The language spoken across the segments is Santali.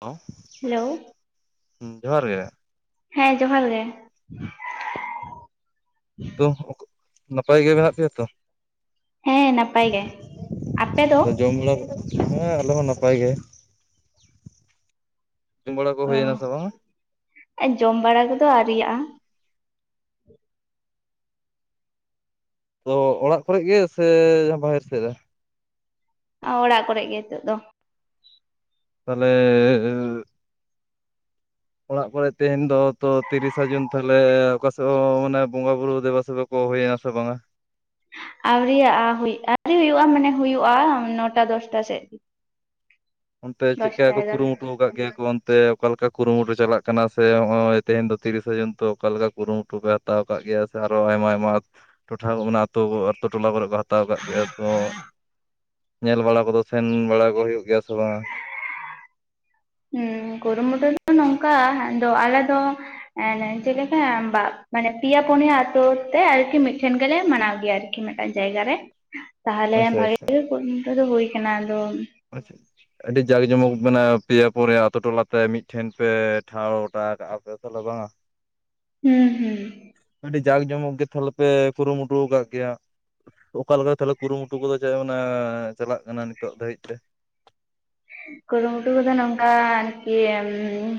ᱦᱮᱞᱳ ᱦᱮᱞᱳ ᱦᱩ ᱡᱚᱦᱟᱨ ᱜᱮ ᱦᱮᱸ ᱡᱚᱦᱟᱨ ᱜᱮ ᱛᱚ [unintelligible] ᱱᱟᱯᱟᱭ ᱜᱮ ᱢᱮᱱᱟᱜ ᱯᱮᱭᱟ ᱛᱚ? ᱦᱮᱸ ᱱᱟᱯᱟᱭ ᱜᱮ, ᱟᱯᱮ ᱫᱚ? ᱛᱚ ᱡᱚᱢ ᱵᱟᱲᱟ ᱦᱮᱸ ᱟᱞᱮ ᱦᱚᱸ ᱱᱟᱯᱟᱭ ᱜᱮ ᱡᱚᱢ ᱵᱟᱲᱟ ᱠᱚ ᱚ ᱦᱳᱭᱱᱟ ᱥᱮ ᱵᱟᱝ? ᱡᱚᱢ ᱵᱟᱲᱟ ᱠᱚᱫᱚ ᱟᱨᱤᱭᱟᱜᱼᱟ ᱛᱚ ᱚᱲᱟᱜ ᱠᱚᱨᱮ ᱜᱮ ᱥᱮ [unintelligible] ᱵᱟᱦᱮᱨ ᱥᱮᱫ ᱨᱮ? ᱟ ᱚᱲᱟᱜ ᱠᱚᱨᱮ ᱜᱮ ᱦᱤᱛᱚᱜ ᱫᱚ ᱛᱟᱦᱚᱞᱮ ᱚᱲᱟᱜ ᱠᱚᱨᱮ ᱛᱮᱦᱮᱧ ᱫᱚ ᱛᱚ ᱛᱤᱨᱤᱥᱟ ᱡᱩᱱ ᱛᱟᱦᱚᱞᱮ ᱚᱠᱟ ᱥᱮᱫ ᱦᱚᱸ ᱢᱟᱱᱮ ᱵᱚᱸᱜᱟ ᱵᱩᱨᱩ ᱫᱮᱵᱟ-ᱥᱮᱵᱟ ᱠᱚ ᱦᱳᱭᱱᱟ ᱥᱮ ᱵᱟᱝᱟ? ᱟᱣᱨᱤ ᱭᱟᱜᱼᱟ ᱦᱩᱭ, ᱟᱣᱨᱤ ᱦᱩᱭᱩᱜᱼᱟ, ᱢᱟᱱᱮ ᱦᱩᱭᱩᱜᱼᱟ ᱱᱚᱴᱟ, ᱫᱚᱥᱴᱟ ᱥᱮᱜ᱾ ᱚᱱᱛᱮ ᱪᱮᱜ ᱠᱟ ᱠᱚ ᱮᱜᱟᱨᱚ ᱠᱩᱨᱩᱢᱩᱴᱩ? ᱠᱟᱜ ᱜᱮᱹᱭᱟ ᱠᱚ ᱚᱱᱛᱮ ᱚᱠᱟ ᱞᱮᱠᱟ ᱠᱩᱨᱩᱢᱩᱴᱩ ᱪᱟᱞᱟᱜ ᱠᱟᱱᱟ ᱥᱮ ᱚᱸᱭ ᱛᱮᱦᱮᱧ ᱫᱚ 'ᱛᱤᱨᱤᱥᱟ ᱡᱚᱱ' ᱛᱚ, ᱚᱠᱟ ᱞᱮᱠᱟ ᱠᱩᱨᱩᱢᱩᱴᱩ ᱯᱮ ᱛᱟᱣ ᱠᱟᱜ ᱜᱮᱭᱟ ᱥᱮ ᱟᱨᱚ ᱟᱭᱢᱟ-ᱟᱭᱢᱟ ᱴᱚᱴᱷᱟ, ᱚᱱᱟ ᱟᱛᱳ, ᱟᱛᱳ ᱴᱚᱞᱟ ᱠᱚᱨᱮ ᱠᱚ ᱛᱟᱣ ᱠᱟᱜ ᱜᱮᱭᱟ, ᱧᱮᱞ ᱵᱟᱲᱟ ᱠᱚᱫᱚ, ᱥᱮᱱ ᱵᱟᱲᱟ ᱠᱚ ᱦᱩᱭᱩᱜ ᱜᱮᱭᱟ ᱥᱮ ᱵᱟᱸ? ᱩᱸ ᱠᱩᱨᱩᱢᱩᱴᱩ ᱫᱚ ᱱᱚᱝᱠᱟ, ᱦᱟᱸᱜ ᱫᱚ, ᱟᱞᱮ ᱫᱚ ᱮᱱᱮ ᱡᱮᱞᱮᱠᱟᱼᱢ ᱵᱟᱜ, ᱢᱟᱱᱮ ᱯᱤᱭᱟ, ᱠᱳᱱᱭᱟ ᱛᱳ ᱛᱮ ᱟᱨᱠᱤ ᱢᱤᱜᱴᱷᱮᱱ ᱜᱮᱞᱮ ᱢᱟᱱᱟᱣ ᱜᱮᱭᱟ ᱨᱮ᱾ ᱠᱤ ᱢᱤᱜᱴᱟᱜ ᱡᱟᱭᱜᱟ ᱨᱮ ᱛᱟᱦᱞᱮ ᱟᱪᱪᱷᱟ ᱵᱷᱟᱜᱤ ᱟᱪᱪᱷᱟ ᱜᱮ ᱠᱩᱨᱩᱢᱩᱴᱩ ᱫᱚ ᱦᱩᱭ ᱠᱟᱱᱟ, ᱟᱫᱚ᱾ ᱟᱪᱪᱷᱟ-ᱪᱷᱟ᱾ ᱟᱹᱰᱤ ᱡᱟᱠ ᱡᱚᱢᱚᱠ ᱢᱟᱱᱮ ᱯᱮᱭᱟ, ᱯᱚᱨᱮ ᱟᱛᱳ ᱴᱚᱞᱟᱛᱮ ᱢᱤᱜᱴᱷᱮᱱ ᱯᱮ, ᱴᱷᱟᱶ ᱜᱚᱴᱟ ᱠᱟᱜᱼᱟ ᱯᱮ ᱛᱷᱟᱞᱮ ᱵᱟᱝᱟ! [inaudible] ᱦᱩᱸ, ᱦᱩᱸ ᱾ ᱟᱰᱤ ᱡᱟᱞ ᱡᱚᱢᱚᱠ ᱜᱮ, ᱛᱷᱟᱞᱮ ᱯᱮ ᱠᱩᱨᱩᱢᱩᱴᱩ ᱠᱟᱜ ᱜᱮᱭᱟᱸ! ᱚᱠᱟ ᱞᱮᱠᱟ ᱛᱟᱞᱮ ᱠᱩᱨᱩᱢᱩᱴᱩ ᱠᱚᱫᱚ ᱪᱟ ᱠᱟᱱᱟ, ᱪᱟᱞᱟᱜ ᱠᱟᱱᱟ ᱱᱤᱛᱚᱜ ᱫᱷᱟᱣᱤᱡ- -ᱛᱮ? ᱠᱩᱨᱩᱢᱩᱴᱩ ᱠᱚᱫᱚ ᱱᱚᱝᱠᱟ ᱟᱱᱠᱤ ᱩᱸ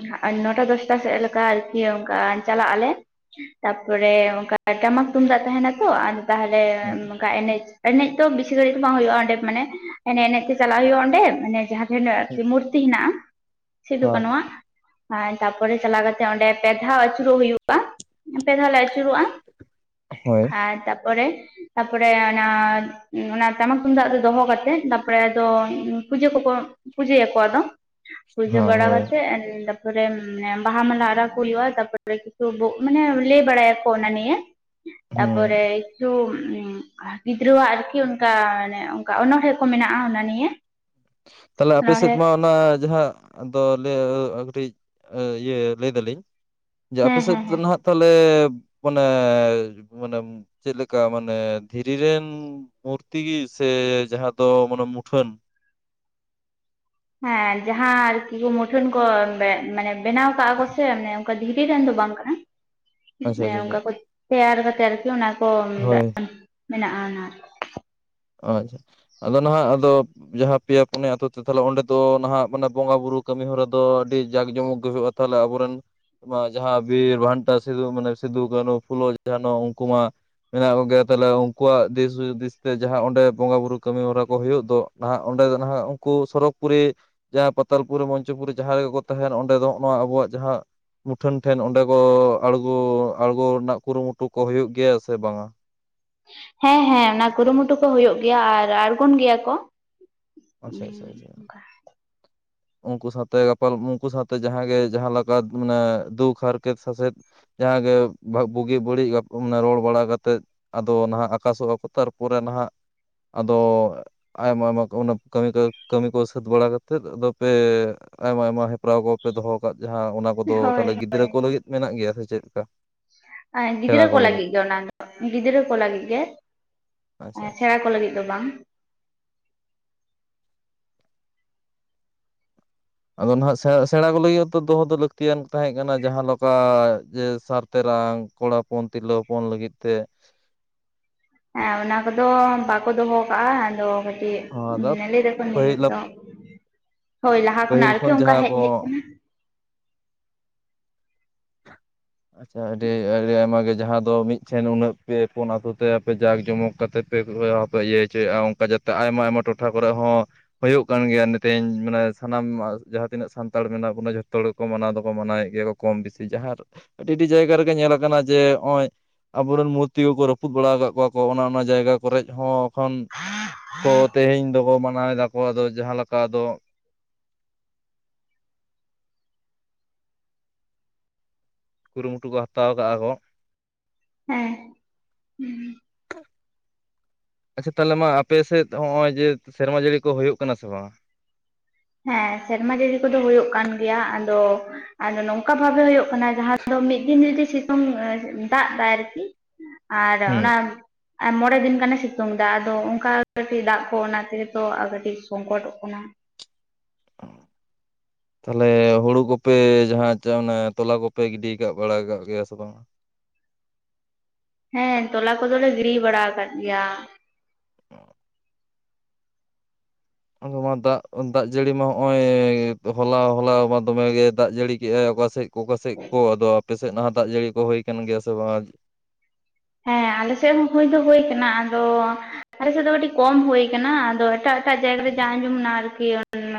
ᱦᱟᱜ ᱟᱱ ᱱᱚᱴᱟ, ᱫᱚᱥᱴᱟ ᱥᱮᱜ ᱞᱮᱠᱟ ᱟᱨᱠᱤ ᱚᱝᱠᱟ ᱟᱱ ᱪᱟᱞᱟᱜ ᱟᱞᱮ ᱛᱟᱯᱚᱨᱮ ᱚᱝᱠᱟ, ᱴᱟᱢᱟᱠ, ᱛᱩᱱᱫᱟᱜ ᱛᱟᱦᱮᱱᱟ ᱛᱚᱻ ᱟᱨ ᱛᱟᱦᱞᱮ ᱦᱮᱸ ᱢᱚᱠᱟ ᱮᱱᱮᱪ, ᱮᱱᱮᱡ ᱛᱚ ᱵᱤᱥᱤ ᱜᱟᱹᱲᱤᱡ ᱵᱟᱝ ᱦᱩᱭᱩᱜᱼᱟ, ᱮᱸᱰᱮᱡ ᱢᱟᱱᱮ ᱮᱱᱮ-ᱮᱱᱮ! ᱛᱮᱹ ᱪᱟᱞᱟᱜ ᱭᱩᱜᱼᱟ ᱚᱸᱰᱮᱻ ᱢᱟᱱᱮ ᱡᱟᱦᱟ ᱴᱷᱮᱱ ᱠᱩ ᱢᱩᱨᱛᱤ ᱦᱮᱱᱟᱜᱼᱟ ᱥᱤᱫᱩ-ᱠᱟᱹᱱᱩᱣᱟᱜ᱾ ᱱᱚᱣᱟ ᱦᱟᱸ ᱛᱟᱯᱚᱨᱮ ᱪᱟᱞᱟᱣ ᱠᱟᱛᱮᱜ, ᱚᱸᱰᱮ ᱯᱮ ᱫᱷᱟᱣ ᱟᱹᱪᱩᱨᱚᱜ ᱦᱩᱭᱩᱜᱼᱟ᱾ ᱯᱮ ᱫᱷᱟᱣ ᱞᱮ ᱟᱹᱪᱩᱨᱚᱜᱼᱟ ᱦᱳᱭ ᱟᱨ ᱛᱟᱯᱚᱨᱮ, ᱛᱟᱯᱚᱨᱮ ᱟᱱᱟ ᱩᱸ ᱚᱱᱟ ᱴᱟᱢᱟᱠ ᱛᱩᱱᱫᱟᱜ ᱫᱚ ᱫᱚᱦᱚ ᱠᱟᱛᱮᱺᱜ ᱛᱟᱯᱨᱮ ᱟᱫᱚ ᱯᱩᱡᱟᱹ ᱠᱚᱠᱚ ᱯᱩᱡᱟᱹᱭᱟᱠᱚ ᱟᱫᱚ, ᱯᱩᱡᱟᱹ ᱦᱮᱸ ᱵᱟᱲᱟ ᱦᱳᱭ ᱠᱟᱛᱮᱜ ᱮᱱ ᱛᱟᱯ ᱯᱚᱨᱮᱢ ᱢᱮ ᱵᱟᱦᱟ ᱢᱟᱞᱟ ᱟᱨᱟᱣ ᱠᱚ ᱭᱩᱜᱼᱟ, ᱛᱟᱯᱚᱨᱮ ᱠᱤᱪᱷᱩ ᱵᱩᱜ ᱢᱟᱱᱮ ᱞᱟᱹᱭ ᱵᱟᱲᱟᱭᱟᱠᱚ ᱚᱱᱟ ᱱᱤᱭᱮ᱾ [inaudible] ᱛᱟᱯᱚᱨᱮ ᱪᱩᱼᱢ ᱩᱸ ᱠᱟ ᱜᱤᱫᱽᱨᱟᱹ ᱣᱟᱜ ᱟᱨᱠᱤ ᱚᱱᱠᱟ, ᱱᱮ ᱚᱝᱠᱟ ᱚᱱᱚᱬᱦᱮ ᱠᱚ ᱢᱮᱱᱟᱜᱼᱟ, ᱚᱱᱟ ᱱᱤᱭᱮ᱾ ᱛᱟᱞᱮ ᱟᱯᱮ ᱥᱮᱫ ᱚᱱᱚᱬᱦᱮᱸ ᱢᱟ ᱚᱱᱟ ᱡᱟᱦᱟ ᱟᱫᱚ ᱞᱟᱹᱭᱟ ᱠᱟᱴᱤᱡ, ᱟ ᱤᱭᱟᱹ ᱞᱟᱹᱭ ᱫᱟᱞᱤᱧ ᱡᱮ ᱟᱯᱮ ᱦᱮᱸ ᱥᱮᱫ ᱦᱮᱸ ᱫᱚ ᱦᱮᱸ ᱱᱟᱦᱟᱜ ᱛᱷᱟᱞᱮᱵ ᱯᱟᱱᱮ, ᱢᱟᱱᱮᱢ ᱪᱮᱜ ᱞᱮᱠᱟ, ᱢᱟᱱᱮ ᱫᱷᱤᱨᱤ ᱨᱮᱱ ᱢᱩᱨᱛᱤ ᱜᱤ ᱥᱮ ᱡᱟᱦᱟ ᱫᱚ ᱢᱟᱱᱮ ᱢᱩᱴᱷᱟᱹᱱ? ᱦᱮᱸᱻ ᱡᱟᱦᱟᱸ ᱟᱨᱠᱤ ᱠᱚ, ᱢᱩᱴᱷᱟᱹᱱ ᱠᱚ ᱵᱮᱜ ᱢᱟᱱᱮ ᱵᱮᱱᱟᱣ ᱠᱟᱜᱼᱟ ᱠᱚ ᱥᱮ ᱢᱟᱱᱮ ᱚᱝᱠᱟ ᱫᱷᱤᱨᱤ ᱨᱮᱱ ᱫᱚ ᱵᱟᱝ ᱠᱟᱱᱟ, ᱟᱪᱪᱷᱟ ᱢᱟᱱᱮ ᱟᱪᱪᱷᱟ ᱟᱪᱪᱷᱟ ᱚᱝᱠᱟ ᱠᱚ ᱛᱮᱭᱟᱨ ᱠᱟᱛᱮ ᱟᱨᱠᱤ ᱚᱱᱟ ᱠᱚ ᱢᱮᱱᱫᱟᱜ ᱦᱳᱭ ᱟᱱ, ᱢᱮᱱᱟᱜᱼᱟ᱾ ᱟᱪᱪᱷᱟ ᱟᱫᱚ ᱱᱟᱦᱟᱜ, ᱟᱫᱚ ᱡᱟᱦᱟ ᱯᱮᱭᱟ, ᱯᱩᱱᱭᱟ ᱟᱛᱩ ᱛᱮ ᱛᱷᱟᱞᱮ ᱚᱸᱰᱮ ᱫᱚ ᱱᱟᱦᱟᱜ, ᱢᱟᱱᱮ ᱵᱚᱸᱜᱟ, ᱵᱩᱨᱩ ᱠᱟᱹᱢᱤ ᱦᱚᱨᱟ ᱫᱚ ᱟᱹᱰᱤ ᱡᱟᱠ ᱡᱚᱢᱚᱠ ᱜᱮ ᱦᱩᱭᱩᱜᱼᱟ! ᱛᱷᱟᱞᱮ ᱟᱵᱚᱨᱮᱱ ᱢᱟ ᱡᱟᱦᱟ ᱵᱤᱨ ᱵᱷᱟᱱᱴᱟ ᱥᱤᱫᱩ, ᱢᱟᱱᱮ ᱥᱤᱫᱩ, ᱠᱟᱹᱱᱩ, ᱯᱷᱩᱞᱚ, ᱡᱷᱟᱱᱚ ᱩᱝᱠᱩ ᱢᱟ ᱢᱮᱱᱟᱜ ᱠᱚᱜᱮᱭᱟ ᱛᱟᱞᱮ ᱩᱝᱠᱩᱣᱟᱜ ᱫᱤᱥ-ᱦᱩᱫᱤᱥ ᱛᱮ ᱡᱟᱦᱟ ᱚᱸᱰᱮ ᱵᱚᱸᱜᱟ, ᱵᱩᱨᱩ ᱠᱟᱹᱢᱤ ᱦᱚᱨᱟ ᱠᱚ ᱦᱩᱭᱩᱜ ᱫᱚ ᱱᱟᱦᱟᱜ, ᱚᱸᱰᱮ ᱫᱚ ᱱᱟᱦᱟᱜ ᱩᱝᱠᱩ ᱥᱚᱨᱚᱜᱽ ᱯᱩᱨᱤ ᱡᱟ ᱯᱟᱛᱟᱞᱯᱩᱨᱤ, ᱢᱚᱧᱪᱚᱯᱩᱨᱤ ᱡᱟᱦᱟ ᱨᱮᱜᱮ ᱠᱚ ᱛᱟᱦᱮᱱ, ᱚᱸᱰᱮ ᱫᱚ ᱱᱚᱜ ᱱᱚᱣᱟ ᱟᱵᱚᱣᱟᱜ ᱡᱟᱦᱟ ᱢᱩᱴᱷᱟᱹᱱ ᱴᱷᱮᱹᱱ ᱚᱸᱰᱮ ᱜᱚ ᱟᱲᱜᱚ, ᱟᱲᱜᱚ ᱨᱮᱱᱟᱜ ᱠᱩᱨᱩᱢᱩᱴᱩ ᱠᱚ ᱦᱩᱭᱩᱜ ᱜᱮᱭᱟ ᱥᱮ ᱵᱟᱝᱟ? ᱦᱮᱸ-ᱦᱮᱸ, ᱚᱱᱟ ᱠᱩᱨᱩᱢᱩᱴᱩ ᱠᱚ ᱦᱩᱭᱩᱜ ᱜᱮᱹᱭᱟ ᱟᱨ ᱟᱨᱜᱚᱱ ᱜᱮᱭᱟ ᱠᱚᱸ᱾ ᱟᱪᱪᱷᱟ-ᱪᱷᱟ-ᱪᱷᱟ᱾ ᱩᱝᱠᱩ ᱥᱟᱛᱮ ᱜᱟᱯᱟᱞ, ᱩᱸᱠᱩ ᱥᱟᱛᱮ ᱡᱟᱦᱟᱸ ᱜᱮ, ᱡᱟᱦᱟ ᱞᱮᱠᱟ ᱢᱟᱱᱮ ᱫᱩᱠ ᱦᱟᱨᱠᱮᱛ-ᱥᱟᱥᱮᱛ ᱡᱟᱦᱟᱸᱜᱮ, ᱵᱩᱜᱤ ᱵᱟᱹᱲᱤᱡ ᱵᱟᱠᱚ ᱢᱮᱱᱟ, ᱨᱚᱲ ᱵᱟᱲᱟ ᱠᱟᱛᱮᱫ ᱟᱫᱚ, ᱱᱟᱦᱟᱜ ᱟᱠᱟᱥᱚᱜ-ᱟ ᱠᱚ, ᱛᱟᱨ ᱯᱚᱨᱮ ᱱᱷᱟᱜ, ᱟᱫᱚ, ᱟᱭᱢᱟ ᱟᱭᱢᱟ ᱠᱚ, ᱚᱱᱟ ᱠᱟᱹᱢᱤ ᱠᱚ, ᱠᱟᱹᱢᱤ ᱠᱚ ᱥᱟᱹᱛ ᱵᱟᱲᱟ ᱠᱟᱛᱮᱫ, ᱟᱫᱚ ᱯᱮ ᱟᱭᱢᱟ ᱟᱭᱢᱟ, ᱦᱮᱯᱨᱟᱣ ᱠᱚᱯᱮ, ᱫᱚᱦᱚ ᱟᱠᱟᱫ ᱡᱟᱦᱟᱸ ᱾ ᱚᱱᱟ ᱠᱚᱫᱚ, ᱦᱳᱭ ᱛᱟᱦᱚᱞᱮ, ᱜᱤᱫᱽᱨᱟᱹ ᱠᱚ, ᱞᱟᱹᱜᱤᱫ ᱢᱮᱱᱟᱜ ᱜᱮᱭᱟ ᱥᱮ ᱪᱮᱫ ᱞᱮᱠᱟ ᱾ ᱟᱸ ᱜᱤᱫᱽᱨᱟᱹ ᱠᱚ, ᱞᱟᱹᱜᱤᱫ ᱜᱮ ᱚᱱᱟ, ᱜᱤᱫᱽᱨᱟᱹ ᱠᱚ, ᱞᱟᱹᱜᱤᱫ ᱜᱮ ᱾ ᱟᱪᱪᱷᱟ ᱮᱸᱻ ᱟᱪᱪᱷᱟ ᱥᱮᱬᱟ ᱠᱚ, ᱞᱟᱹᱜᱤᱫ ᱫᱚ ᱵᱟᱝ ᱾ ᱟᱫᱚ, ᱱᱷᱟᱜ ᱥᱮᱸᱬᱟ ᱠᱚ, ᱞᱟᱜᱤᱫ ᱦᱚᱸᱛᱚ, ᱫᱚᱦᱚ ᱫᱚ, ᱞᱟᱹᱠᱛᱤᱭᱟᱱ ᱛᱟᱦᱮᱸ ᱠᱟᱱᱟ᱾ ᱡᱟᱦᱟᱸ ᱞᱮᱠᱟ, ᱡᱮ ᱥᱟᱨ ᱛᱮᱨᱟᱝ ᱠᱚᱲᱟ ᱦᱚᱯᱚᱱ, ᱛᱤᱨᱞᱟᱹ ᱦᱚᱯᱚᱱ, ᱞᱟᱹᱜᱤᱫ ᱛᱮ ᱮᱸᱻ ᱚᱱᱟ ᱠᱚᱫᱚ, ᱵᱟᱠᱚ ᱫᱚᱦᱚ ᱟᱠᱟᱜᱼᱟ, ᱟᱫᱚ, ᱠᱟᱹᱡ ᱟᱫᱚ ᱯᱟᱹᱦᱤᱞ [unintelligible] [inaudible] ᱦᱳᱭ! ᱞᱟᱦᱟ ᱠᱷᱚᱱᱟᱜ ᱯᱟᱹᱦᱤᱞ ᱟᱨᱠᱮ, ᱠᱷᱚᱱ ᱚᱱᱠᱟ ᱡᱟᱦᱟᱸ ᱦᱮᱡ, ᱠᱚ ᱦᱮᱡ ᱟᱠᱟᱱᱟ ᱾ ᱟᱪᱷᱟ, ᱟᱹᱰᱤ, ᱟᱹᱰᱤ ᱟᱭᱢᱟ ᱜᱮ, ᱡᱟᱦᱟᱸ ᱫᱚ, ᱢᱤᱫ ᱴᱷᱮᱱ ᱩᱱᱟᱹᱜ, ᱯᱮ ᱯᱳᱱ ᱟᱹᱛᱩ ᱛᱮ, ᱟᱯᱮ ᱡᱟᱠ ᱡᱚᱢᱚᱠ ᱠᱟᱛᱮᱫ ᱯᱮ [unintelligible] ᱤᱭᱟᱹ ᱦᱚᱪᱚᱭᱮᱜᱼᱟ, ᱚᱱᱠᱟ ᱡᱟᱛᱮ, ᱟᱭᱢᱟ ᱟᱭᱢᱟ, ᱴᱚᱴᱷᱟ ᱠᱚᱨᱮ ᱦᱚᱸ, ᱦᱩᱭᱩᱜ ᱠᱟᱱ ᱜᱮᱭᱟ, ᱱᱤᱛᱤᱧ ᱢᱟᱱᱮ, ᱥᱟᱱᱟᱢ ᱡᱟᱦᱟᱸ ᱛᱤᱱᱟᱹᱜ, ᱥᱟᱱᱛᱟᱲ ᱢᱮᱱᱟᱜ ᱵᱚᱱᱟ, ᱡᱷᱚᱛᱚ ᱦᱚᱲ ᱢᱟᱱᱟᱣ ᱫᱚᱠᱚ, ᱢᱟᱱᱟᱣᱮᱫ ᱜᱮᱭᱟ ᱠᱚ, ᱠᱚᱢ ᱵᱮᱥᱤ ᱡᱟᱦᱟᱸ ᱨᱮ, ᱟᱹᱰᱤ ᱟᱹᱰᱤ, ᱡᱟᱭᱜᱟ ᱨᱮᱜᱮ, ᱧᱮᱞ ᱟᱠᱟᱱᱟ ᱡᱮ, ᱱᱚᱜᱼᱚᱭ ᱟᱵᱚ ᱨᱮᱱ ᱢᱩᱨᱛᱤ ᱠᱚᱠᱚ, ᱨᱟᱹᱯᱩᱫ ᱵᱟᱲᱟ ᱟᱠᱟᱫ ᱠᱚᱣᱟ ᱠᱚ, ᱚᱱᱟ ᱚᱱᱟ, ᱡᱟᱭᱜᱟ ᱠᱚᱨᱮᱡ ᱦᱚᱸ, ᱠᱷᱚᱱ ᱠᱚ, ᱛᱮᱦᱮᱧ ᱫᱚᱵᱚ, ᱢᱟᱱᱟᱣ ᱮᱫᱟ ᱠᱚ, ᱟᱫᱚ ᱡᱟᱦᱟᱸ ᱞᱮᱠᱟ ᱟᱫᱚ ᱠᱩᱨᱩ ᱢᱩᱴᱩ ᱠᱚ, ᱦᱟᱛᱟᱣ ᱠᱟᱜᱼᱟ ᱠᱚ ᱾ ᱦᱮᱸᱻ ᱦᱩᱸ ᱾ ᱟᱪᱷᱟ ᱛᱟᱞᱦᱮ ᱢᱟ, ᱟᱯᱮ ᱥᱮᱫ ᱦᱚᱸᱜ ᱚᱭ ᱡᱮ, ᱥᱮᱨᱢᱟ ᱡᱟᱹᱲᱤ ᱠᱚ, ᱦᱩᱭᱩᱜ ᱠᱟᱱᱟ ᱥᱮ ᱵᱟᱝ? ᱦᱮᱸ, ᱥᱮᱨᱢᱟ ᱡᱟᱹᱲᱤ ᱠᱚᱫᱚ, ᱦᱩᱭᱩᱜ ᱠᱟᱱ ᱜᱮᱭᱟ ᱾ ᱟᱫᱚ, ᱟᱫᱚ ᱱᱚᱝᱠᱟ ᱵᱷᱟᱵᱮ ᱦᱩᱭᱩᱜ ᱚᱱᱟ ᱡᱟᱦᱟᱸ ᱫᱚ, ᱢᱤᱫ ᱫᱤᱱ ᱡᱩᱫᱤ ᱥᱤᱛᱩᱝ ᱮᱻ ᱫᱟᱜ ᱮᱫᱟ, ᱟᱨᱠᱤ, ᱟᱨ ᱦᱩᱸ ᱚᱱᱟ ᱟᱨ, ᱢᱚᱬᱮ ᱫᱤᱱ ᱜᱟᱱᱮ, ᱥᱤᱛᱩᱝ ᱮᱫᱟ, ᱟᱫᱚ, ᱚᱱᱠᱟ ᱠᱟᱹᱴᱤᱡ ᱫᱟᱜ ᱠᱚ, ᱚᱱᱟ ᱛᱮᱜ ᱛᱚ, ᱠᱟᱹᱴᱤᱡ ᱥᱚᱝᱠᱚᱴᱚᱜ ᱠᱟᱱᱟ᱾ [inaudible] [inaudible] [unintelligible] ᱛᱟᱦᱚᱞᱮ, ᱦᱩᱲᱩ ᱠᱚᱯᱮ ᱡᱟᱦᱟᱸ ᱛᱚᱞᱟ ᱠᱚᱯᱮ ᱜᱤᱰᱤ ᱠᱟᱜ, ᱵᱟᱲᱟ ᱠᱟᱜ ᱜᱮᱭᱟ ᱥᱮ ᱵᱟᱝ ᱟ? ᱦᱮᱸ, ᱛᱚᱞᱟ ᱠᱚᱫᱚ ᱞᱮ, ᱜᱤᱰ ᱤ ᱵᱟᱲᱟ ᱟᱠᱟᱫ ᱜᱮᱭᱟ ᱾ ᱟᱫᱚ ᱢᱟ, ᱫᱟᱜ, ᱫᱟᱜ ᱡᱟᱹᱲᱤ ᱢᱟ, ᱦᱚᱜᱼᱚᱭ ᱦᱚᱞᱟ, ᱦᱚᱞᱟᱣ ᱢᱟ, ᱫᱚᱢᱮ ᱜᱮ, ᱫᱟᱜ ᱡᱟᱹᱲᱤ ᱠᱮᱜ ᱟᱭ, ᱚᱠᱟ ᱥᱮᱫ ᱚᱠᱟ ᱥᱮ ᱠᱚ, ᱟᱫᱚ ᱟᱯᱮ ᱥᱮᱫ ᱱᱷᱟᱜ, ᱫᱟᱜ ᱡᱟᱹᱲᱤ ᱠᱚ, ᱦᱩᱭ ᱟᱠᱟᱱ ᱜᱮᱭᱟ, ᱥᱮ ᱵᱟᱝ ᱦᱮᱸ, ᱟᱞᱮ ᱥᱮᱫ ᱦᱚᱸ, ᱦᱩᱭ ᱫᱚ ᱦᱩᱭ ᱟᱠᱟᱱᱟ ᱾ ᱟᱫᱚ ᱟᱞᱮ ᱥᱮᱫ ᱫᱚ, ᱠᱟᱹᱴᱤᱡ ᱠᱚᱢ ᱦᱩᱭ ᱟᱠᱟᱱᱟ, ᱟᱫᱚ ᱮᱴᱟᱜ, ᱮᱴᱟᱜ ᱡᱟᱭᱜᱟ ᱨᱮ, ᱡᱟ ᱟᱸᱡᱚᱢ ᱮᱱᱟ, ᱟᱨᱠᱤ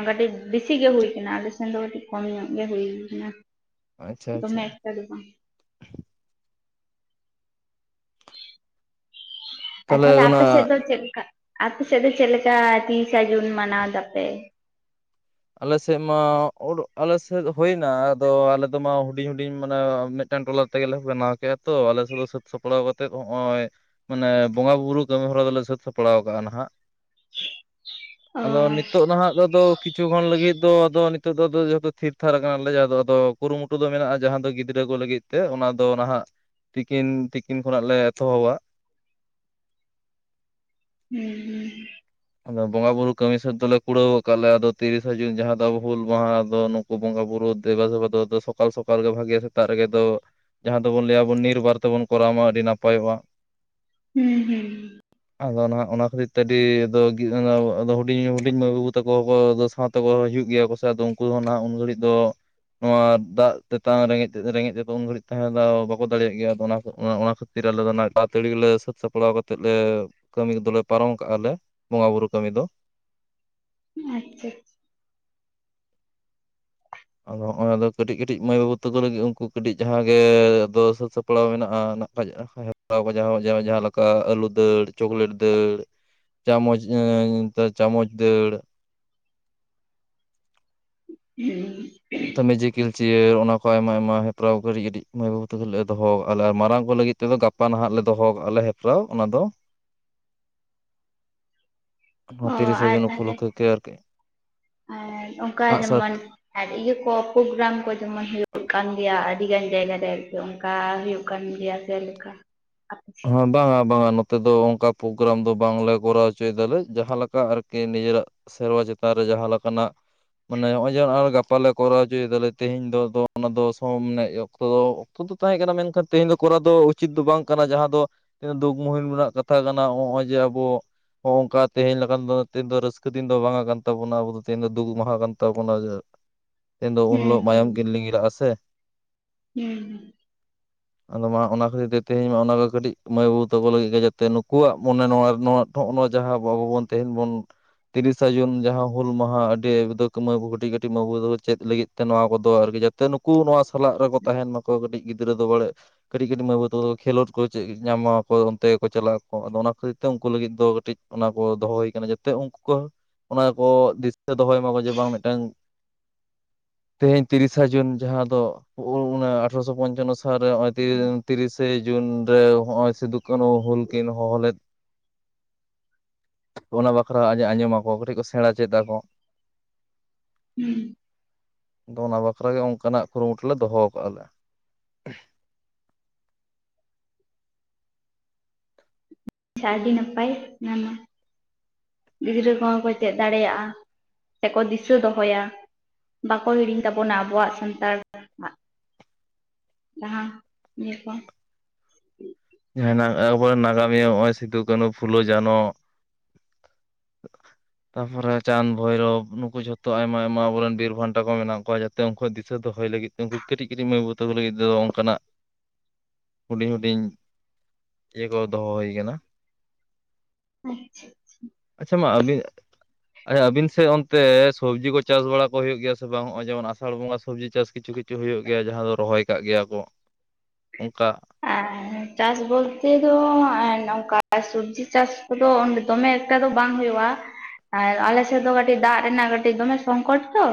ᱠᱟᱹᱴᱤᱡ ᱵᱤᱥᱤ ᱜᱮ, ᱦᱩᱭ ᱟᱠᱟᱱᱟ ᱾ ᱟᱞᱮ ᱥᱮᱱ ᱫᱚ, ᱠᱟᱹᱴᱤᱡ ᱠᱚᱢ ᱧᱚᱜ ᱜᱮ, ᱦᱩᱭ ᱮᱱᱟ, ᱟᱪᱪᱷᱟ ᱟᱪᱪᱷᱟ ᱫᱚᱢᱮ ᱮᱠᱴᱟ ᱫᱚ ᱵᱟᱝ ᱾ ᱛᱟᱦᱚᱞᱮ ᱟᱨᱛᱟᱦᱚᱞᱮ, ᱚᱱᱟ ᱟᱯᱮ ᱥᱮᱫ ᱫᱚ, ᱪᱮᱫ ᱞᱮᱠᱟ? ᱟᱯᱮ ᱥᱮᱫ ᱫᱚ, ᱪᱮᱫ ᱞᱮᱠᱟ ᱛᱤᱨᱤᱥᱟ ᱡᱩᱱ ᱢᱟᱱᱟᱣ ᱮᱫᱟ ᱯᱮ? ᱟᱞᱮ ᱥᱮᱫ ᱢᱟ, ᱟᱞᱮ ᱥᱮᱫ ᱦᱩᱭ ᱮᱱᱟ ᱾ ᱟᱫᱚ, ᱟᱞᱮ ᱫᱚ ᱢᱟ, ᱦᱩᱰᱤᱧ ᱦᱩᱰᱤᱧ, ᱢᱟᱱᱮ ᱢᱤᱫᱴᱟᱝ ᱴᱚᱞᱟ ᱛᱮᱜᱮ ᱞᱮ, ᱵᱮᱱᱟᱣ ᱠᱮᱫᱼᱟ ᱛᱚ, ᱟᱞᱮ ᱥᱮᱫ ᱫᱚ, ᱥᱟᱹᱛ ᱥᱟᱯᱲᱟᱣ ᱠᱟᱛᱮᱫ, ᱱᱚᱜ ᱚᱭ ᱢᱟᱱᱮ, ᱵᱚᱸᱜᱟ ᱵᱩᱨᱩ ᱠᱟᱹᱢᱤ ᱦᱚᱨᱟ ᱫᱚᱞᱮ, ᱥᱟᱹᱛ ᱥᱟᱯᱲᱟᱣ ᱟᱠᱟᱜᱼᱟ, ᱱᱷᱟᱜ? ᱚ [inaudible] ᱟᱫᱚ, ᱱᱤᱛᱳᱜ ᱱᱷᱟᱜ, ᱫᱚᱫᱚ ᱠᱤᱪᱷᱩ ᱦᱚᱲ ᱞᱟᱹᱜᱤᱫ ᱫᱚ ᱟᱫᱚ ᱱᱤᱛᱚᱜ ᱫᱚᱫᱚ ᱡᱚᱛᱚ ᱛᱷᱤᱨ ᱛᱷᱷᱟᱨ ᱟᱠᱟᱱ ᱟᱞᱮ, ᱡᱟᱦᱟᱸ ᱫᱚ ᱟᱫᱚ ᱠᱩᱨᱩ ᱢᱩᱴᱩ ᱫᱚ ᱢᱮᱱᱟᱜᱼᱟ ᱾ ᱡᱟᱦᱟᱸ ᱫᱚ ᱜᱤᱫᱽᱨᱟᱹ ᱠᱚ ᱞᱟᱹᱜᱤᱫ ᱛᱮ, ᱚᱱᱟ ᱫᱚ ᱱᱷᱟᱜ ᱛᱤᱠᱤᱱ, ᱛᱤᱠᱤᱱ ᱠᱷᱚᱱᱼᱟᱜ ᱞᱮ, ᱮᱛᱚᱦᱚᱵᱟ ᱾ ᱦᱩᱸᱻ ᱦᱩᱸᱻ ᱾ ᱟᱫᱚ, ᱵᱚᱸᱜᱟ ᱵᱩᱨᱩ ᱠᱟᱹᱢᱤ ᱥᱮᱫ ᱫᱚᱞᱮ, ᱠᱩᱲᱟᱹᱣ ᱟᱠᱟᱫ ᱞᱮᱭᱟ ᱾ ᱟᱫᱚ, ᱛᱤᱨᱤᱥᱟᱹ ᱡᱩᱱ ᱡᱟᱦᱟᱸ ᱫᱚ, ᱟᱵᱚ ᱦᱩᱞ ᱢᱟᱦᱟ ᱫᱚ ᱵᱚᱸᱜᱟ ᱵᱩᱨᱩ ᱫᱮᱵᱟᱼ ᱫᱮᱵᱟ ᱫᱚ, ᱥᱚᱞ ᱥᱚᱠᱟᱞ ᱜᱮ, ᱵᱷᱟᱜᱮᱭᱟ ᱾ ᱥᱮᱛᱟᱜ ᱨᱮᱜᱮ ᱫᱚ ᱡᱟᱦᱟᱸ ᱫᱚ ᱵᱚᱱ ᱞᱟᱹᱭ ᱟᱵᱚᱱ, ᱱᱤᱨᱵᱟᱨ ᱛᱮ ᱵᱚᱱ ᱠᱚᱨᱟᱣ ᱢᱟ, ᱟᱹᱰᱤ ᱱᱟᱯᱟᱭᱚᱜᱼᱟ ᱾ ᱦᱩᱸᱻ ᱦᱩᱸᱻ ᱾ ᱟᱫᱚ ᱱᱷᱟᱜ, ᱚᱱᱟ ᱠᱷᱟᱹᱛᱤᱨ ᱛᱮ, ᱟᱹᱰᱤ ᱟᱫᱚ, ᱦᱩᱰᱤᱧ, ᱦᱩᱰᱤᱧ ᱢᱟᱹᱭ ᱵᱟᱹᱵᱩ ᱛᱟᱠᱚ ᱠᱚ, ᱥᱟᱶᱛᱟ ᱠᱚ ᱦᱩᱭᱩᱜ ᱜᱮᱭᱟ ᱠᱚ, ᱥᱮ, ᱟᱫᱚ ᱩᱱᱠᱩ ᱫᱚ ᱱᱟᱜ ᱩᱱ ᱜᱷᱟᱹᱲᱤᱡ ᱫᱚᱼᱼ ᱱᱚᱣᱟ ᱫᱟᱜ ᱛᱮᱛᱟᱝ ᱨᱮᱸᱜᱮᱡ ᱛᱮ, ᱨᱮᱸᱜᱮᱡ ᱛᱮᱫᱚ ᱩᱱ ᱜᱷᱟᱹᱲᱤᱡ ᱛᱟᱦᱮᱸ ᱫᱚ, ᱵᱟᱠᱚ ᱫᱟᱲᱮᱭᱟᱜ ᱜᱮᱭᱟ, ᱚᱱᱟ ᱚᱱᱟ ᱠᱷᱟᱹᱛᱤᱼᱼ [unintelligible] ᱟᱞᱮ ᱫᱚ ᱱᱟ ᱟᱛᱟᱹᱲᱤ ᱜᱮᱞᱮ ᱥᱟᱹᱛ ᱥᱟᱯᱲᱟᱣ ᱠᱟᱛᱮᱫ ᱞᱮ ᱠᱟᱹᱢᱤ ᱠᱚᱫᱚᱞᱮ ᱯᱟᱨᱚᱢ ᱠᱟᱜᱼᱟ ᱞᱮ᱾ ᱵᱚᱸᱜᱟ ᱵᱩᱨᱩ ᱠᱟᱹᱢᱤ ᱫᱚ᱾ ᱟᱪᱪᱷᱟ᱾ ᱟᱫᱚ ᱦᱚᱸᱜᱼᱭ ᱫᱚ ᱠᱟᱹᱴᱤᱡ ᱠᱟᱹᱴᱤᱡ ᱢᱟᱹᱭ ᱵᱟᱹᱵᱩ ᱛᱟᱠᱚ ᱞᱟᱹᱜᱤᱫ ᱩᱱᱠᱩ ᱠᱟᱹᱴᱤᱡ ᱡᱟᱦᱟᱸ ᱜᱮ ᱫᱚ ᱥᱟᱹᱛ ᱥᱟᱯᱲᱟᱣ ᱢᱮᱱᱟᱜᱼᱟᱼᱼ [unintelligible] ᱡᱟᱦᱟᱸᱞᱮᱠᱟ ᱟᱹᱞᱩ ᱫᱟᱹᱲ ᱪᱚᱠᱞᱮᱴ ᱫᱟᱹᱲ, ᱪᱟᱢᱚᱪ ᱮᱸᱻ ᱪᱟᱢᱚᱪ ᱫᱟᱹᱲ ᱦᱢᱸ ᱢᱮᱡᱤᱠᱮᱞ ᱪᱮᱤᱭᱟᱨ ᱚᱱᱟ ᱠᱚ ᱟᱭᱢᱟ ᱟᱭᱢᱟ ᱦᱮᱯᱨᱟᱣ ᱠᱟᱹᱴᱤᱡ ᱠᱟᱹᱴᱤᱡ ᱢᱟᱹᱭ ᱵᱟᱹᱵᱩ ᱛᱮᱠᱚ ᱞᱮ ᱫᱚᱦᱚ ᱠᱟᱜᱼᱟ ᱞᱮ ᱟᱨ ᱢᱟᱨᱟᱝ ᱠᱚ ᱞᱟᱹᱜᱤ ᱛᱮᱫᱚ ᱜᱟᱯᱟ ᱱᱟᱦᱟᱜ ᱞᱮ ᱫᱚᱦᱚ ᱠᱟᱜᱼᱟ ᱞᱮ ᱦᱮᱯᱨᱟᱣ ᱚᱱᱟ ᱫᱚ᱾ ᱚ ᱛᱤᱨᱤᱥᱟ ᱟᱨ ᱡᱩᱱ ᱛᱟᱦᱮᱞᱮ ᱩᱯᱚᱞᱚᱠᱠᱷᱮ ᱜᱮ ᱟᱨᱠᱤ ᱟᱨ ᱚᱝᱠᱟ ᱟᱸᱜᱼᱥᱟᱨ ᱡᱮᱢᱚᱱᱼᱼ ᱟᱨ ᱤᱭᱟᱹ ᱠᱚ ᱯᱳᱜᱨᱟᱢ ᱠᱚ ᱡᱮᱢᱚᱱ ᱦᱳᱭᱳᱜ ᱠᱟᱱ ᱜᱮᱭᱟ ᱟᱰᱤ ᱜᱟᱱ ᱡᱟᱭᱜᱟ ᱨᱮᱼᱼ ᱚᱱᱠᱟ ᱦᱳᱭᱳᱜ ᱠᱟᱱ ᱜᱮᱭᱟ ᱥᱮ ᱞᱮᱠᱟ᱾ ᱥᱮᱫ ᱦᱚᱸ ᱵᱟᱝᱟ ᱵᱟᱝᱟ ᱱᱚᱼᱼ ᱛᱮᱫᱚ ᱚᱝᱠᱟ ᱯᱳᱜᱨᱟᱢ ᱫᱚ ᱵᱟᱝᱞᱮ ᱠᱚᱨᱟᱣ ᱦᱚᱪᱚᱭ ᱫᱟᱞᱮ ᱡᱟᱦᱟᱸ ᱞᱮᱠᱟ ᱟᱨᱠᱤ ᱱᱤᱡᱮ ᱨᱟᱜᱼᱼ ᱥᱮᱨᱣᱟ ᱪᱮᱛᱟᱱ ᱨᱮ ᱡᱟᱦᱟᱸ ᱞᱮᱠᱟ ᱱᱟᱜᱼᱼ ᱢᱟᱱᱮ ᱱᱚᱜᱼᱚᱭ ᱡᱮ ᱟᱨ ᱜᱟᱯᱟ ᱞᱮ ᱠᱚᱨᱟᱣ ᱦᱚᱪᱚᱭ ᱫᱟᱞᱮ ᱛᱮᱦᱮᱧ ᱫᱚ ᱚᱱᱟ ᱫᱚ ᱥᱚᱢ ᱢᱟᱱᱮ ᱚᱠᱛᱚ ᱫᱚᱼᱼ ᱫᱚ ᱛᱟᱦᱮᱸ ᱠᱟᱱᱟ ᱢᱮᱱᱠᱷᱟᱱ ᱛᱮᱦᱮᱧ ᱫᱚ ᱠᱚᱨᱟᱣ ᱫᱚ ᱩᱪᱤᱛ ᱫᱚ ᱵᱟᱝ ᱠᱟᱱᱟ ᱡᱟᱦᱟᱸᱼᱼ ᱫᱚ ᱛᱤᱱᱟᱹᱜ ᱫᱩ ᱢᱩᱦᱤᱢ ᱨᱮᱱᱟᱜ ᱠᱟᱛᱷᱟ ᱠᱟᱱᱟ ᱱᱚᱜᱼᱚᱭ ᱡᱮ ᱟᱵᱚ ᱦᱚᱸᱜ ᱚᱝᱠᱟ ᱛᱮᱦᱮᱧ ᱞᱮᱠᱟᱱ ᱫᱚ ᱛᱮᱦᱮᱧ ᱨᱟᱹᱥᱠᱟᱹ ᱫᱤᱱ ᱫᱚ ᱵᱟᱝ-ᱟ ᱠᱟᱱ ᱛᱟᱵᱚᱱᱟ ᱟᱵᱚ ᱫᱚ ᱛᱮᱦᱮᱧ ᱫᱚ ᱫᱩᱠ ᱢᱟᱦᱟ ᱠᱟᱱ ᱛᱟᱵᱚᱱᱟ᱾ ᱛᱮᱱ ᱫᱚ ᱩᱱ ᱦᱩᱸ ᱞᱳᱜ ᱢᱟᱭᱟᱢ ᱠᱤᱱ ᱞᱤᱸᱜᱤ ᱞᱟᱜᱼᱟ ᱥᱮᱼᱼ ᱦᱚᱢᱸ ᱦᱚᱢᱸ ᱟᱫᱚ ᱢᱟ ᱚᱱᱟ ᱠᱷᱟᱛᱤᱨ ᱛᱮᱦᱮᱧ ᱢᱟ ᱚᱱᱟᱼᱼ ᱠᱟᱹᱴᱤᱡ ᱢᱟᱹᱭ ᱵᱟᱹᱵᱩ ᱛᱟᱠᱚ ᱞᱟᱹᱜᱤᱫ ᱡᱟᱛᱮ ᱱᱩᱠᱩᱣᱟᱜ ᱢᱚᱱᱮ ᱱᱚᱣᱟ ᱱᱚᱣᱟ ᱱᱚᱜ-ᱚ ᱱᱚᱣᱟ ᱡᱟᱦᱟᱸ ᱟᱵᱚ ᱵᱚᱱ ᱛᱮᱦᱮᱧ ᱵᱚᱱ ᱼᱼ ᱛᱤᱨᱤᱥᱟ ᱡᱩᱱ ᱡᱟᱦᱟᱸ ᱦᱩᱞ ᱢᱟᱦᱟ ᱟᱹᱰᱤ [inaudible] ᱠᱟᱹᱴᱤᱡ ᱠᱟᱹᱴᱤᱡ ᱵᱟᱩ ᱪᱮᱫ ᱞᱟᱹᱜᱤᱫ ᱛᱮ ᱱᱚᱣᱟ ᱠᱚᱫᱚ ᱡᱟᱠᱼᱼ ᱱᱩᱠᱩ ᱱᱚᱣᱟ ᱥᱟᱞᱟᱜ ᱨᱮᱠᱚ ᱛᱟᱦᱮᱱ ᱢᱟᱠᱚ ᱠᱟᱹᱴᱤᱡ ᱜᱤᱫᱽᱨᱟᱹ ᱫᱚ ᱵᱟᱲᱮ ᱠᱟᱹᱴᱤᱡ ᱠᱟᱹᱴᱤᱡ ᱢᱟᱹᱭ ᱵᱟᱹᱵᱩ ᱛᱟᱠᱚ ᱠᱷᱮᱞᱳᱰᱼᱼ ᱩᱱᱠᱩ ᱪᱮᱫ ᱧᱟᱢᱟ ᱟᱠᱚ ᱚᱱᱛᱮ ᱠᱚ ᱪᱟᱞᱟᱜ ᱟᱠᱚ ᱟᱫᱚ ᱚᱱᱟ ᱠᱷᱟᱹᱛᱤᱨ ᱛᱮ ᱩᱱᱠᱩ ᱞᱟᱹᱜᱤᱫ ᱫᱚ ᱠᱟᱹᱴᱤᱡ ᱚᱱᱟ ᱠᱚ ᱫᱚᱦᱚ ᱦᱳᱭ ᱠᱟᱱᱟ ᱡᱟᱛᱮᱼᱼ ᱡᱟᱛᱮ ᱩᱱᱠᱩ ᱚᱱᱟ ᱠᱚ ᱫᱤᱥᱟᱹ ᱫᱚᱦᱚᱭ ᱢᱟ ᱠᱚ ᱡᱮ ᱵᱟᱝ ᱢᱤᱫᱴᱟᱝ ᱼᱼ ᱛᱮᱦᱮᱧ ᱛᱤᱨᱤᱥᱟ ᱡᱩᱱ ᱡᱟᱦᱟᱸ ᱫᱚ [inaudible] ᱟᱴᱷᱚᱨᱚᱥᱚ ᱯᱚᱱᱪᱟᱱᱱᱚ ᱥᱟᱼᱼ ᱥᱟᱞ ᱨᱮ ᱦᱚᱸᱜ-ᱚᱭ ᱛᱤᱨᱤᱥᱮ ᱡᱩᱱ ᱨᱮ ᱦᱚᱸᱜᱼᱚᱭ ᱥᱤᱫᱩ ᱠᱟᱱᱩ ᱦᱩᱞ ᱠᱤᱱ ᱦᱚᱦᱚ ᱞᱮᱫ ᱚᱱᱟ ᱵᱟᱠᱷᱨᱟ ᱟᱸ ᱟᱸᱡᱚᱢᱟᱚ ᱠᱟᱴᱤᱡ ᱠᱚ ᱥᱮᱬᱟ ᱪᱮᱫᱟ ᱠᱚ᱾ ᱦᱩᱸᱻ ᱟᱫᱚ ᱚᱱᱟ ᱵᱟᱠᱷᱟᱨ ᱜᱮ ᱚᱱᱠᱟᱱᱟᱜ ᱠᱩᱨᱩᱢᱩᱴᱩ ᱞᱮ ᱫᱚᱦᱚ ᱠᱟᱜᱼᱟ ᱞᱮ ᱟᱰᱤ ᱱᱟᱯᱟᱭ ᱱᱟ ᱱᱚᱼᱼ ᱜᱤᱫᱽᱨᱟᱹ ᱠᱚᱦᱚᱸ ᱠᱚ ᱪᱮᱫ ᱫᱟᱲᱮᱭᱟᱜᱼᱟ ᱥᱮᱠᱚ ᱫᱤᱥᱟᱹ ᱫᱚᱦᱚᱭᱟ᱾ ᱵᱟᱠᱚ ᱦᱤᱲᱤᱧ ᱛᱟᱵᱚᱱᱟ ᱟᱵᱚᱣᱟᱜ ᱥᱟᱱᱛᱟᱲ ᱟᱜᱼᱼ ᱡᱟᱦᱟᱸ ᱤᱭᱟᱹ ᱠᱚ, ᱟᱵᱚ ᱨᱮᱱ ᱱᱟᱜᱟᱢᱤᱭᱟᱹ ᱱᱚᱜ-ᱚᱭ ᱥᱤᱫᱩ ᱠᱟᱱᱩ ᱯᱷᱩᱞᱳ ᱡᱷᱟᱱᱚ᱾ ᱛᱟᱯᱚᱨᱮ ᱪᱟᱸᱫ ᱵᱷᱳᱭᱨᱚᱵ ᱱᱩᱠᱩ ᱡᱷᱚᱛᱚ ᱟᱭᱢᱟ ᱟᱭᱢᱟ ᱟᱵᱚᱨᱮᱱ ᱵᱤᱨ ᱵᱷᱟᱱᱴᱟ ᱠᱚ ᱢᱮᱱᱟᱜ ᱠᱚᱣᱟ ᱡᱟᱛᱮ ᱩᱱᱠᱩᱣᱟᱜ ᱫᱤᱥᱟᱹ ᱫᱚᱦᱚᱭ ᱞᱟᱹᱜᱤᱫᱼᱼ ᱩᱱᱠᱩ ᱠᱟᱹᱴᱤᱡ ᱠᱟᱹᱴᱤᱡ ᱢᱟᱹᱭ ᱵᱟᱵᱩ ᱛᱟᱠᱚ ᱞᱟᱹᱜᱤᱫ ᱛᱮᱫᱚ ᱚᱱᱠᱟᱱᱟᱜ ᱦᱩᱰᱤᱧ ᱦᱩᱰᱤᱧ ᱤᱭᱟᱹ ᱠᱚ ᱫᱚᱦᱚ ᱦᱩᱭ ᱠᱟᱱᱟ᱾ ᱟᱪᱪᱷᱟ ᱟᱪᱪᱷᱟ ᱢᱟ ᱟᱹᱵᱤᱱᱼᱼ ᱟᱪᱪᱷᱟ ᱟᱹᱵᱤᱱ ᱥᱮᱫ ᱚᱱᱛᱮ ᱥᱚᱵᱽᱡᱤ ᱠᱚ ᱪᱟᱥ ᱵᱟᱲᱟ ᱠᱚ ᱦᱩᱭᱩᱜ ᱜᱮᱭᱟ ᱥᱮ ᱵᱟᱝᱼᱚᱭ ᱡᱮᱢᱚᱱ ᱟᱥᱟᱲ ᱵᱚᱸᱜᱟᱼᱼ ᱥᱚᱵᱽᱡᱤ ᱪᱟᱥ ᱠᱤᱪᱷᱩ ᱠᱤᱪᱷᱩ ᱦᱩᱭᱩᱜ ᱜᱮᱭᱟ ᱡᱟᱦᱟᱸ ᱫᱚ ᱨᱚᱦᱚᱭ ᱠᱟᱜ ᱜᱮᱭᱟ ᱠᱚ ᱚᱱᱠᱟ ᱾ ᱮ ᱪᱟᱥ ᱵᱚᱞᱛᱮ ᱫᱚ ᱟᱨ ᱱᱚᱝᱠᱟ ᱟᱨ ᱥᱚᱵᱽᱡᱤ ᱪᱟᱥ ᱠᱚᱫᱚ ᱫᱚᱢᱮ ᱮᱠᱴᱟ ᱫᱚ ᱵᱟᱝ ᱦᱩᱭᱩᱜᱼᱟ ᱾ ᱟᱨ ᱟᱞᱮ ᱥᱮᱫ ᱫᱚ ᱠᱟᱹᱴᱤᱡ ᱫᱟᱜ ᱨᱮᱱᱟᱜ ᱠᱟᱹᱴᱤᱡ ᱫᱚᱢᱮ ᱥᱚᱝᱠᱚᱴ ᱛᱚ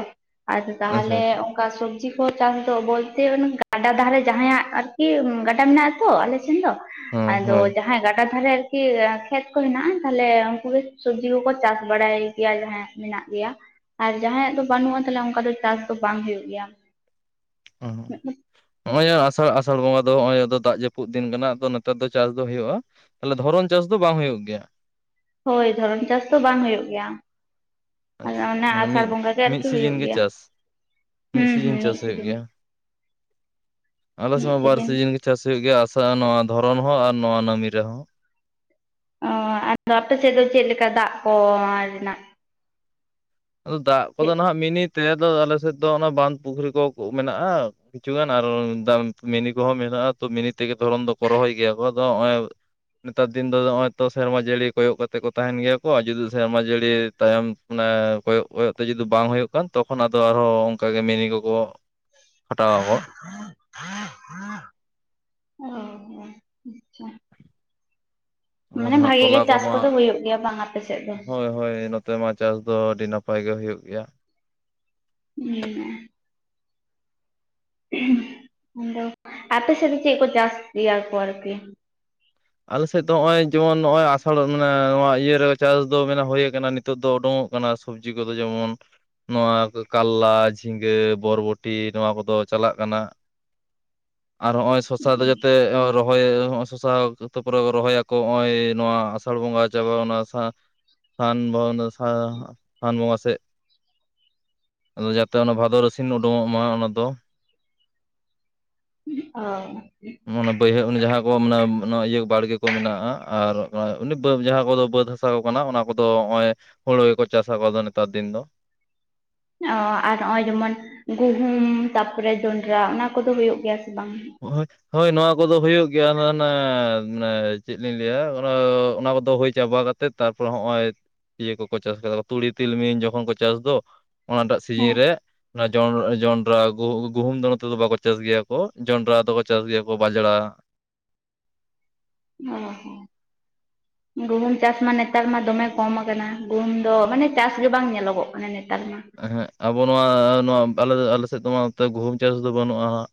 ᱟᱫᱚ ᱟᱪᱪᱷᱟ ᱛᱟᱦᱞᱮ ᱟᱪᱪᱷᱟ ᱚᱱ ᱚᱱᱠᱟ ᱥᱚᱵᱽᱡᱤ ᱠᱚ ᱪᱟᱥ ᱫᱚ ᱵᱚᱞᱛᱮ ᱚᱱᱮ ᱜᱟᱰᱟ ᱫᱟᱨᱮ ᱡᱟᱦᱟᱸᱭᱟᱜ ᱟᱨᱠᱤ ᱜᱟᱰᱟ ᱢᱮᱱᱟᱜᱼᱟ ᱛᱚ ᱟᱞᱮ ᱥᱮᱱ ᱫᱚ ᱦᱚᱸ ᱟᱫᱚ ᱦᱳᱭ ᱡᱟᱦᱟᱸᱭ ᱜᱟᱰᱟ ᱫᱷᱟᱨᱮ ᱟᱨᱠᱤ ᱠᱷᱮᱛ ᱠᱚ ᱦᱮᱱᱟᱜᱼᱟ, ᱛᱟᱦᱞᱮ ᱩᱱᱠᱩ ᱜᱮ ᱥᱚᱵᱽᱡᱤ ᱠᱚᱠᱚ ᱪᱟᱥ ᱵᱟᱲᱟᱭ ᱜᱮᱭᱟ ᱡᱟᱦᱟᱸᱭᱟᱜ ᱢᱮᱱᱟᱜ ᱜᱮᱭᱟ ᱾ ᱟᱨ ᱡᱟᱦᱟᱸᱭᱟᱜ ᱫᱚ ᱵᱟᱹᱱᱩᱜᱼᱟ ᱛᱟᱞᱚᱞᱮ ᱚᱱᱠᱟ ᱫᱚ ᱪᱟᱥ ᱫᱚ ᱵᱟᱝ ᱦᱩᱭᱩᱜ ᱜᱮᱭᱟ ᱾ ᱦᱩᱸᱜᱼᱩ ᱾ ᱱᱚᱼᱚᱭ ᱟᱥᱟᱲ ᱟᱥᱟᱲ ᱵᱚᱸᱜᱟ ᱫᱚ ᱱᱚᱼᱚᱭ ᱟᱫᱚ ᱫᱟᱜ ᱡᱟᱹᱯᱩᱫ ᱫᱤᱱ ᱠᱟᱱᱟ ᱟᱫᱚ ᱱᱮᱛᱟᱨ ᱫᱚ ᱪᱟᱥ ᱫᱚ ᱦᱩᱭᱩᱜᱼᱟ ᱾ ᱛᱟᱦᱚᱞᱮ ᱫᱷᱚᱨᱚᱱ ᱪᱟᱥ ᱫᱚ ᱵᱟᱝ ᱦᱩᱭᱩᱜ ᱜᱮᱭᱟ? ᱦᱳᱭ ᱫᱷᱚᱨᱚᱱ ᱪᱟᱥ ᱫᱚ ᱵᱟᱝ ᱦᱩᱭᱩᱜ ᱜᱮᱭᱟ ᱾ ᱟᱫᱚ ᱟᱪᱪᱷᱟ ᱚᱱᱟ ᱢᱟᱱᱮ ᱟᱥᱟᱲ ᱢᱤᱫ ᱵᱚᱸᱜᱟ ᱜᱮ ᱢᱤᱫ ᱟᱨᱠᱤ ᱥᱤᱡᱤᱱ ᱦᱩᱭᱩᱜ ᱜᱮ ᱜᱮᱭᱟ ᱪᱟᱥ ᱾ ᱦᱩᱸ ᱦᱩᱸ ᱥᱤᱡᱤᱱ ᱢᱤᱫ ᱪᱟᱥ ᱦᱩᱭᱩᱜ ᱥᱤᱡᱤᱱ ᱜᱮᱭᱟ ᱟᱞᱮ ᱥᱮᱫ ᱢᱟ ᱵᱟᱨ ᱥᱤᱡᱤᱱ ᱜᱮ ᱪᱟᱥ ᱦᱩᱭᱩᱜ ᱜᱮᱭᱟ ᱟᱥᱟᱲ ᱱᱚᱣᱟ ᱫᱷᱚᱨᱚᱱ ᱦᱚᱸ ᱟᱨ ᱱᱚᱣᱟ ᱱᱟᱢᱤ ᱨᱮᱦᱚᱸ ᱚ ᱟᱫᱚ ᱟᱯᱮ ᱥᱮᱫ ᱫᱚ ᱪᱮᱫ ᱞᱮᱠᱟ ᱫᱟᱜ ᱠᱚ ᱨᱮᱱᱟᱜ ᱟᱫᱚ ᱫᱟᱜ ᱠᱚᱫᱚ ᱪᱮᱫ ᱱᱟᱦᱟᱜ ᱢᱤᱱᱤ ᱛᱮ ᱟᱫᱚ ᱟᱞᱮ ᱥᱮᱫ ᱫᱚ ᱚᱱᱟ ᱵᱟᱸᱫ ᱯᱩᱠᱷᱨᱤ ᱠᱚ ᱢᱮᱱᱟᱜᱼᱟ ᱠᱤᱪᱷᱩ ᱜᱟᱱ ᱾ ᱟᱨ ᱢᱤᱱᱤ ᱠᱚᱦᱚᱸ ᱢᱮᱱᱟᱜᱼᱟ ᱛᱚ ᱢᱤᱱᱤ ᱛᱮᱜᱮ ᱫᱷᱚᱨᱚᱱ ᱫᱚᱠᱚ ᱨᱚᱦᱚᱭ ᱜᱮᱭᱟ ᱠᱚ ᱾ ᱟᱫᱚ ᱱᱚᱜᱼᱚᱭ ᱱᱮᱛᱟᱨ ᱫᱤᱱ ᱫᱚ ᱱᱚᱜᱼᱚᱭ ᱛᱚ ᱥᱮᱨᱢᱟ ᱡᱟᱹᱲᱤ ᱠᱚᱭᱚᱜ ᱠᱟᱛᱮᱫ ᱠᱚ ᱛᱟᱦᱮᱱ ᱜᱮᱭᱟ ᱠᱚ ᱟᱨ ᱡᱩᱫᱤ ᱥᱮᱨᱢᱟ ᱡᱟᱹᱲᱤ ᱛᱟᱭᱚᱢ ᱚᱱᱮ ᱠᱚᱭᱚᱜ ᱠᱚᱭᱚᱜ ᱛᱮ ᱡᱩᱫᱤ ᱵᱟᱝ ᱦᱩᱭᱩᱜ ᱠᱷᱟᱱ ᱛᱚᱠᱷᱚᱱ ᱟᱫᱚ ᱟᱨᱦᱚᱸ ᱚᱱᱠᱟ ᱜᱮ ᱢᱤᱱᱤ ᱠᱚᱠᱚ ᱠᱷᱟᱴᱟᱣ [inaudible] ᱟᱠᱚ [inaudible] ᱚᱻ ᱟᱪᱪᱷᱟ ᱾ ᱟᱫᱚ ᱱᱟᱦᱟᱜ ᱜᱮ ᱛᱚᱞᱟ ᱪᱟᱥ ᱠᱚᱢᱟ ᱠᱚᱫᱚ ᱦᱩᱭᱩᱜ ᱜᱮᱭᱟ ᱵᱟᱝ ᱟᱯᱮ ᱥᱮᱫ ᱫᱚ [inaudible] ᱦᱳᱭ ᱾ ᱦᱳᱭ ᱱᱚᱛᱮ ᱢᱟ ᱪᱟᱥ ᱫᱚ ᱟᱹᱰᱤ ᱱᱟᱯᱟᱭ ᱜᱮ ᱦᱳᱭᱳᱜ ᱜᱮᱭᱟ ᱾ [unintelligible] ᱟᱫᱚ ᱟᱯᱮ ᱥᱮᱫ ᱫᱚ ᱪᱮᱫ ᱠᱚ ᱪᱟᱥ ᱜᱮᱭᱟ ᱠᱚ ᱟᱨᱠᱤ? ᱟᱞᱮ ᱥᱮᱫ ᱫᱚ ᱱᱚᱜᱼᱚᱭ ᱡᱮᱢᱚᱱ ᱱᱚᱜᱼᱚᱭ ᱟᱥᱟᱲ ᱢᱟᱱᱮ ᱱᱚᱣᱟ ᱤᱭᱟᱹ ᱨᱮ ᱪᱟᱥ ᱫᱚ ᱢᱟᱱᱮ ᱦᱳᱭ ᱟᱠᱟᱱᱟ ᱱᱤᱛ ᱱᱤᱛᱚᱜ ᱫᱚ ᱳᱰᱳᱝᱚᱜ ᱠᱟᱱᱟ ᱥᱚᱵᱽᱡᱤ ᱠᱚᱫᱚ ᱡᱮᱢᱚᱱ ᱱᱚᱣᱟ ᱠᱚ ᱠᱟᱞᱞᱟ ᱡᱷᱤᱸᱜᱟᱹ ᱵᱚᱨᱵᱚᱴᱤ ᱱᱚᱣᱟ ᱠᱚᱫᱚ ᱪᱟᱞᱟᱜ ᱠᱟᱱᱟ ᱾ ᱟᱨ ᱦᱚᱸᱜᱼᱚᱭ ᱥᱚᱥᱟ ᱫᱚ ᱡᱟᱛᱮ ᱨᱚᱦᱚᱭ ᱦᱚᱜᱼᱚᱭ ᱥᱚᱥᱟ ᱡᱚᱛᱚ ᱯᱚᱨᱮ ᱠᱚ ᱨᱚᱦᱚᱭ ᱟᱠᱚ ᱱᱚᱜᱼᱚᱭ ᱱᱚᱣᱟ ᱟᱥᱟᱲ ᱵᱚᱸᱜᱟ ᱪᱟᱵᱟ ᱚᱱᱟ ᱥᱟ ᱥᱟᱱ [unintelligible] ᱥᱟᱱ ᱵᱚᱸᱜᱟ ᱥᱮᱫ ᱾ ᱟᱫᱚ ᱡᱟᱛᱮ ᱚᱱᱟ ᱵᱷᱟᱫᱚᱨ ᱟᱥᱤᱱ ᱳᱰᱳᱝᱚᱜ ᱢᱟ ᱚᱱᱟ ᱫᱚ ᱾ ᱚᱻ ᱚᱱᱟ ᱵᱟᱹᱭᱦᱟᱹᱲ ᱡᱟᱦᱟᱸ ᱠᱚ ᱢᱟᱱᱮ ᱱᱚᱣᱟ ᱤᱭᱟᱹ ᱵᱟᱲᱜᱮ ᱠᱚ ᱢᱮᱱᱟᱜᱼᱟ ᱟᱨ ᱱᱚᱭᱟ ᱩᱱᱤ ᱵᱟᱹᱫᱽ ᱡᱟᱦᱟᱸ ᱠᱚᱫᱚ ᱵᱟᱹᱫᱽ ᱦᱟᱥᱟ ᱠᱚ ᱠᱟᱱᱟ ᱚᱱᱟ ᱠᱚᱫᱚ ᱱᱚᱜᱼᱚᱭ ᱦᱳᱲᱳ ᱜᱮᱠᱚ ᱪᱟᱥ ᱟᱠᱚ ᱟᱫᱚ ᱱᱮᱛᱟᱨ ᱫᱤᱱ ᱫᱚ ᱾ ᱚ ᱟᱨ ᱱᱚᱜᱼᱚᱭ ᱡᱮᱢᱚᱱ ᱜᱩᱦᱩᱢ ᱛᱟᱨᱯᱚᱨᱮ ᱡᱚᱱᱰᱨᱟ ᱚᱱᱟ ᱠᱚᱫᱚ ᱦᱩᱭᱩᱜ ᱜᱮᱭᱟ ᱥᱮ ᱵᱟᱝ? [unintelligible] ᱦᱳᱭ ᱱᱚᱣᱟ ᱠᱚᱫᱚ ᱦᱩᱭᱩᱜ ᱜᱮᱭᱟ ᱾ ᱟᱫᱚ ᱚᱱᱮ ᱢᱟᱱᱮ ᱪᱮᱫ ᱞᱤᱧ ᱞᱟᱹᱭᱟ ᱚᱱᱟ ᱠᱚᱫᱚ ᱦᱳᱭ ᱪᱟᱵᱟ ᱠᱟᱛ ᱮᱫ ᱛᱟᱨᱯᱚᱨᱮ ᱦᱚᱸᱜᱼᱚᱭ ᱤᱭᱟᱹ ᱠᱚᱠᱚ ᱪᱟᱥ ᱟᱠᱟᱫᱟ ᱛᱩᱲᱤ ᱛᱤᱞᱢᱤᱧ ᱡᱚᱠᱷᱚᱱ ᱠᱚ ᱪᱟᱥ ᱫᱚ ᱚᱱᱟᱴᱟᱜ ᱥᱤᱡᱤᱱ ᱦᱮᱸ ᱨᱮ ᱚᱱᱟ ᱡᱚᱱᱰᱨᱟ ᱡᱚᱱᱰᱨᱟ ᱜᱩᱦᱩᱢ ᱫᱚ ᱱᱚᱛᱮ ᱫᱚ ᱵᱟᱠᱚ ᱪᱟᱥ ᱜᱮᱭᱟ ᱠᱚ ᱾ ᱡᱚᱱᱰᱨᱟ ᱫᱚᱠᱚ ᱪᱟᱥ ᱜᱮᱭᱟ ᱠᱚ ᱵᱟᱡᱽᱲᱟ ᱚᱻ ᱦᱚ ᱾ [inaudible] ᱜᱩᱦᱩᱢ ᱪᱟᱥ ᱢᱟ ᱱᱮᱛᱟᱨ ᱢᱟ ᱫᱚᱢᱮ ᱠᱚᱢ ᱟᱠᱟᱱᱟ, ᱜᱩᱦᱩᱢ ᱫᱚ ᱢᱟᱱᱮ ᱪᱟᱥ ᱜᱮ ᱵᱟᱝ ᱧᱮᱞᱚᱜᱚᱜ ᱠᱟᱱᱟ ᱱᱮᱛᱟᱨ ᱢᱟ ᱾ ᱦᱮᱸ ᱟᱵᱚ ᱱᱚᱣᱟ, ᱱᱚᱣᱟ ᱟᱞᱮ ᱟᱞᱮ ᱥᱮᱫ ᱫᱚ ᱢᱟ ᱱᱚᱛᱮ ᱜᱩᱦᱩᱢ ᱪᱟᱥ ᱫᱚ ᱵᱟᱹᱱᱩᱜᱼᱟ ᱾